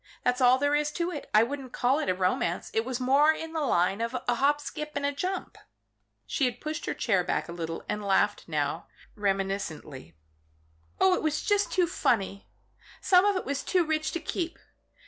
That's all there is to it. I wouldn't call it a romance. It was more in the line of a hop, skip and jump." She had pushed back her chair a little, but laughed now, reminiscently. "Oh it was just too funny! Some of it was too rich to keep.